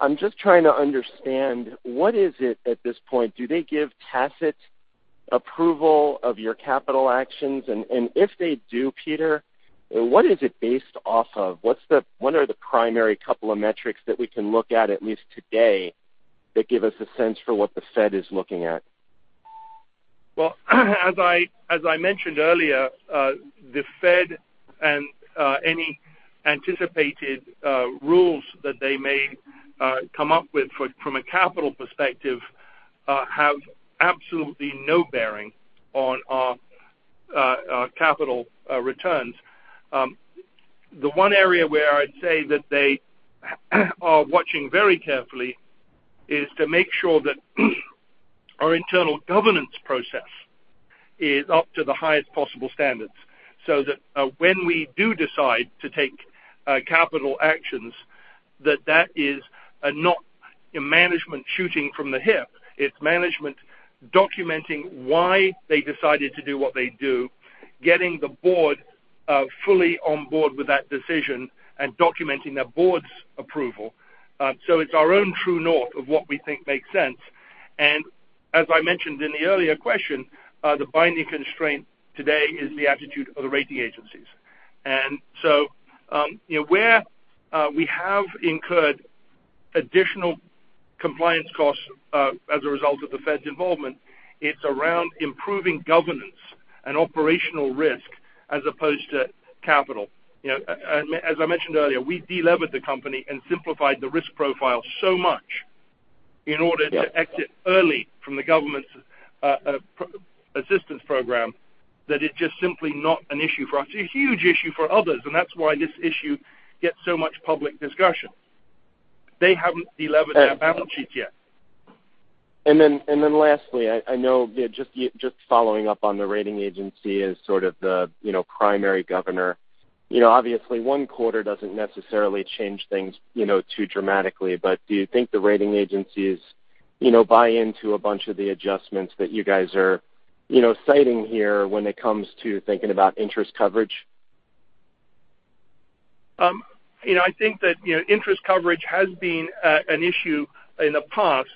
I'm just trying to understand what is it at this point, do they give tacit approval of your capital actions? If they do, Peter, what is it based off of? What are the primary couple of metrics that we can look at least today, that give us a sense for what the Fed is looking at? Well, as I mentioned earlier, the Fed and any anticipated rules that they may come up with from a capital perspective have absolutely no bearing on our capital returns. The one area where I'd say that they are watching very carefully is to make sure that our internal governance process is up to the highest possible standards, so that when we do decide to take capital actions, that that is not management shooting from the hip. It's management documenting why they decided to do what they do, getting the board fully on board with that decision, and documenting that board's approval. It's our own true north of what we think makes sense. As I mentioned in the earlier question, the binding constraint today is the attitude of the rating agencies. Where we have incurred additional compliance costs as a result of the Fed's involvement, it's around improving governance and operational risk as opposed to capital. As I mentioned earlier, we de-levered the company and simplified the risk profile so much in order to exit early from the government's assistance program, that it's just simply not an issue for us. It's a huge issue for others, that's why this issue gets so much public discussion. They haven't de-levered their balances yet. Lastly, I know just following up on the rating agency as sort of the primary governor. Obviously one quarter doesn't necessarily change things too dramatically, but do you think the rating agencies buy into a bunch of the adjustments that you guys are citing here when it comes to thinking about interest coverage? I think that interest coverage has been an issue in the past.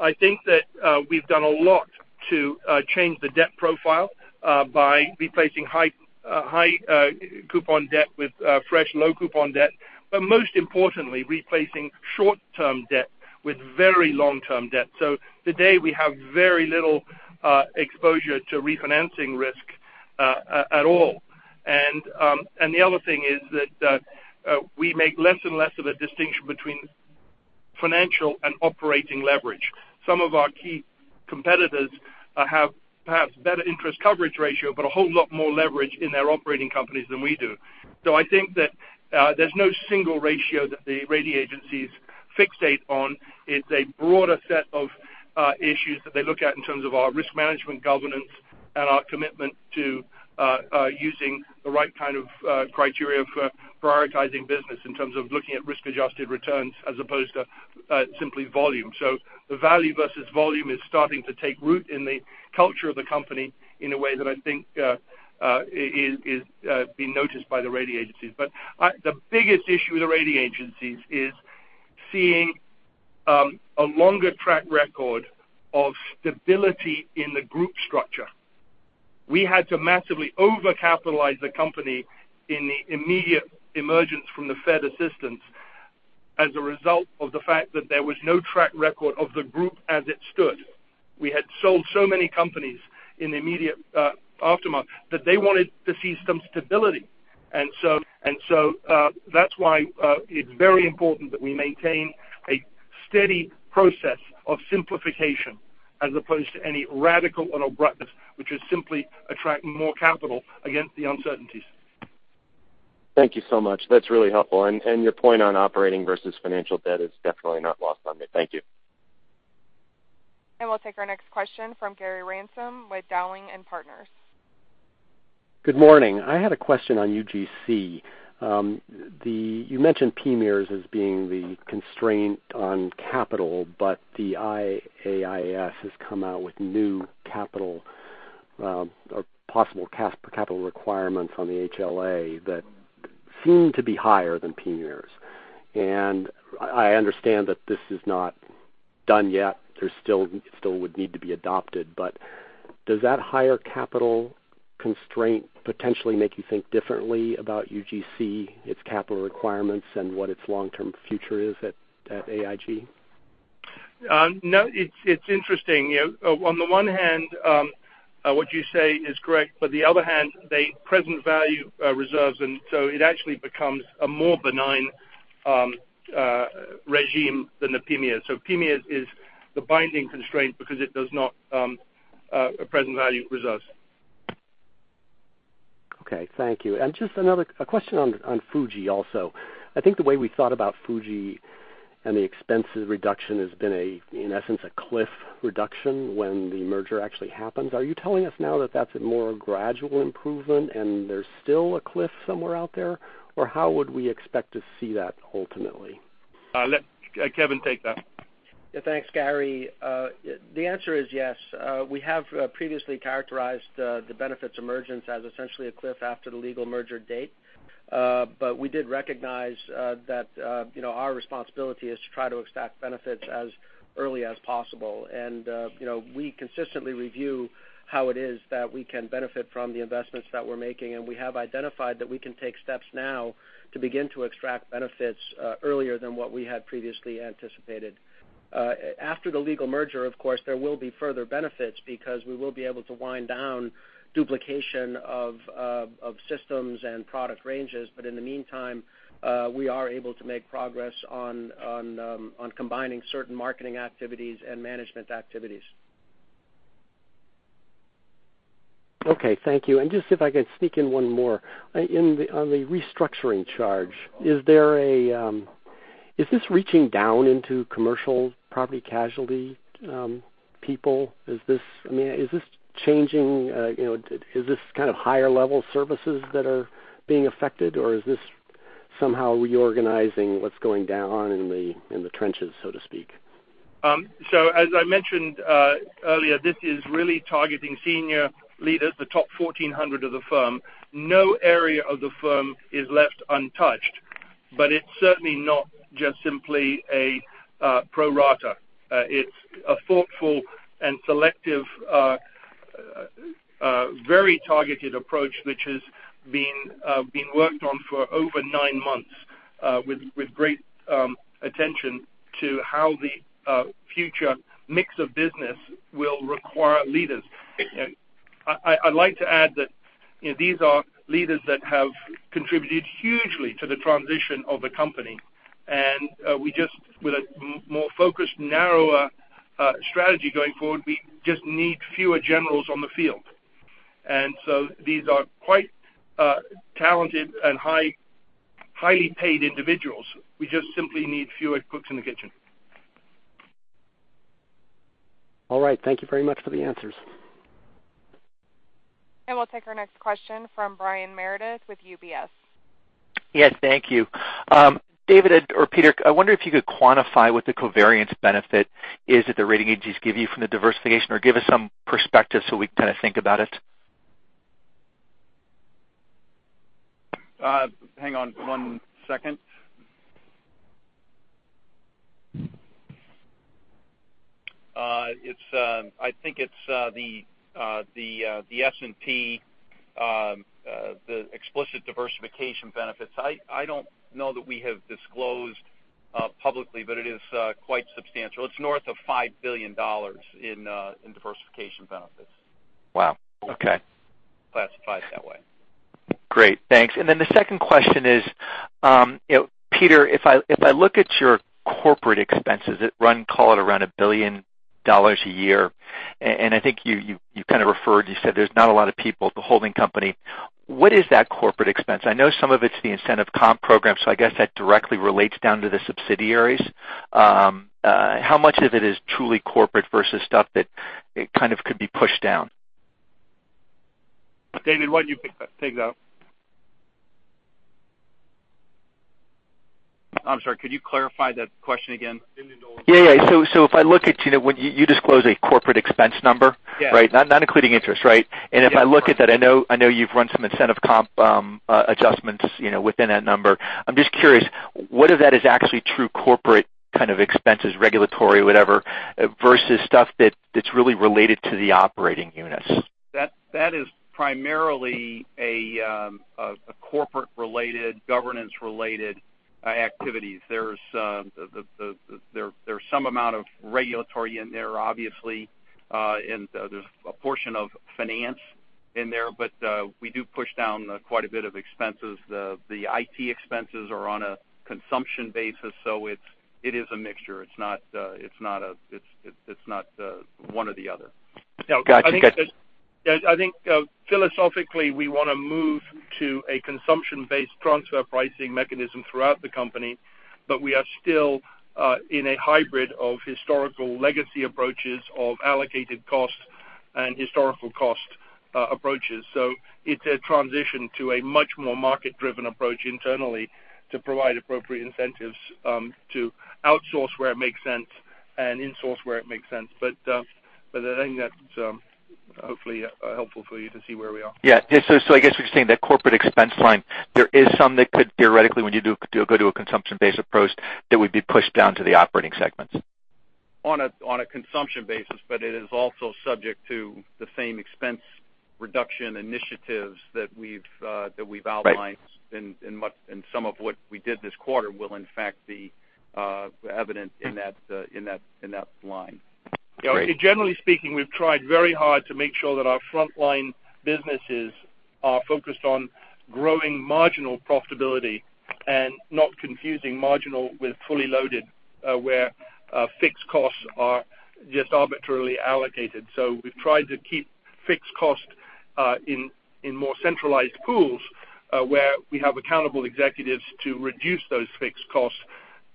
I think that we've done a lot to change the debt profile by replacing high coupon debt with fresh low coupon debt. Most importantly, replacing short-term debt with very long-term debt. Today we have very little exposure to refinancing risk at all. The other thing is that we make less and less of a distinction between financial and operating leverage. Some of our key competitors have perhaps better interest coverage ratio, but a whole lot more leverage in their operating companies than we do. I think that there's no single ratio that the rating agencies fixate on. It's a broader set of issues that they look at in terms of our risk management governance and our commitment to using the right kind of criteria for prioritizing business in terms of looking at risk-adjusted returns as opposed to simply volume. The value versus volume is starting to take root in the culture of the company in a way that I think is being noticed by the rating agencies. The biggest issue with the rating agencies is seeing a longer track record of stability in the group structure. We had to massively over-capitalize the company in the immediate emergence from the Fed assistance as a result of the fact that there was no track record of the group as it stood. We had sold so many companies in the immediate aftermath that they wanted to see some stability. That's why it's very important that we maintain a steady process of simplification as opposed to any radical and abruptness, which is simply attracting more capital against the uncertainties. Thank you so much. That's really helpful. Your point on operating versus financial debt is definitely not lost on me. Thank you. We'll take our next question from Gary Ransom with Dowling & Partners. Good morning. I had a question on UGC. You mentioned PMIERs as being the constraint on capital, but the IAIS has come out with new capital or possible capital requirements on the HLA that seem to be higher than PMIERs. I understand that this is not done yet. It still would need to be adopted. Does that higher capital constraint potentially make you think differently about UGC, its capital requirements, and what its long-term future is at AIG? No, it's interesting. On the one hand, what you say is correct, but the other hand, they present value reserves, and so it actually becomes a more benign regime than the PMIER. PMIER is the binding constraint because it does not present value reserves. Okay. Thank you. Just another question on Fuji also. I think the way we thought about Fuji and the expenses reduction has been a, in essence, a cliff reduction when the merger actually happens. Are you telling us now that that's a more gradual improvement and there's still a cliff somewhere out there? Or how would we expect to see that ultimately? I'll let Kevin take that. Thanks, Gary. The answer is yes. We have previously characterized the benefits emergence as essentially a cliff after the legal merger date. We did recognize that our responsibility is to try to extract benefits as early as possible. We consistently review how it is that we can benefit from the investments that we're making, and we have identified that we can take steps now to begin to extract benefits earlier than what we had previously anticipated. After the legal merger, of course, there will be further benefits because we will be able to wind down duplication of systems and product ranges. In the meantime, we are able to make progress on combining certain marketing activities and management activities. Okay, thank you. Just if I can sneak in one more. On the restructuring charge, is this reaching down into commercial property casualty people? Is this changing, is this kind of higher level services that are being affected, or is this somehow reorganizing what's going down in the trenches, so to speak? As I mentioned earlier, this is really targeting senior leaders, the top 1,400 of the firm. No area of the firm is left untouched. It's certainly not just simply a pro rata. It's a thoughtful and selective, very targeted approach, which has been worked on for over nine months, with great attention to how the future mix of business will require leaders. I'd like to add that these are leaders that have contributed hugely to the transition of the company. With a more focused, narrower strategy going forward, we just need fewer generals on the field. These are quite talented and highly paid individuals. We just simply need fewer cooks in the kitchen. All right. Thank you very much for the answers. We'll take our next question from Brian Meredith with UBS. Thank you. David or Peter, I wonder if you could quantify what the covariance benefit is that the rating agencies give you from the diversification, or give us some perspective so we kind of think about it. Hang on one second. I think it's the S&P, the explicit diversification benefits. I don't know that we have disclosed publicly, but it is quite substantial. It's north of $5 billion in diversification benefits. Wow, okay. Classified that way. Great, thanks. Then the second question is, Peter, if I look at your corporate expenses, call it around $1 billion a year, and I think you kind of referred, you said there's not a lot of people at the holding company. What is that corporate expense? I know some of it's the incentive comp program, so I guess that directly relates down to the subsidiaries. How much of it is truly corporate versus stuff that kind of could be pushed down? David, why don't you pick that up? I'm sorry, could you clarify that question again? Yeah. If I look at when you disclose a corporate expense number. Yes. Not including interest, right? Yes. If I look at that, I know you've run some incentive comp adjustments within that number. I'm just curious, what of that is actually true corporate kind of expenses, regulatory, whatever, versus stuff that's really related to the operating units? That is primarily a corporate-related, governance-related activity. There is some amount of regulatory in there, obviously, and there is a portion of finance in there. We do push down quite a bit of expenses. The IT expenses are on a consumption basis, so it is a mixture. It is not one or the other. Got you. I think philosophically, we want to move to a consumption-based transfer pricing mechanism throughout the company, we are still in a hybrid of historical legacy approaches of allocated costs and historical cost approaches. It's a transition to a much more market-driven approach internally to provide appropriate incentives to outsource where it makes sense and insource where it makes sense. I think that's hopefully helpful for you to see where we are. Yeah. I guess what you're saying, that corporate expense line, there is some that could theoretically, when you do go to a consumption-based approach, that would be pushed down to the operating segments. On a consumption basis, it is also subject to the same expense reduction initiatives that we've outlined. Right Some of what we did this quarter will in fact be evident in that line. Great. Generally speaking, we've tried very hard to make sure that our frontline businesses are focused on growing marginal profitability and not confusing marginal with fully loaded, where fixed costs are just arbitrarily allocated. We've tried to keep fixed costs in more centralized pools, where we have accountable executives to reduce those fixed costs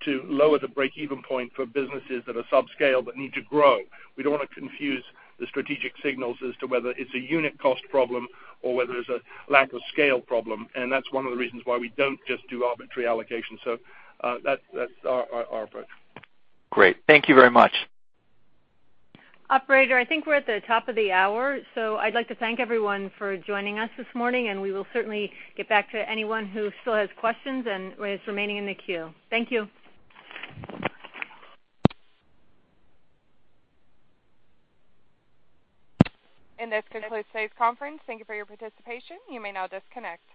to lower the break-even point for businesses that are subscale that need to grow. We don't want to confuse the strategic signals as to whether it's a unit cost problem or whether it's a lack of scale problem. That's one of the reasons why we don't just do arbitrary allocation. That's our approach. Great. Thank you very much. Operator, I think we're at the top of the hour. I'd like to thank everyone for joining us this morning, and we will certainly get back to anyone who still has questions and is remaining in the queue. Thank you. This concludes today's conference. Thank you for your participation. You may now disconnect.